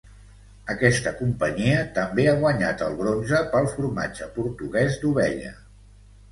Aquesta companyia també ha guanyat el bronze pel formatge portuguès d’ovella.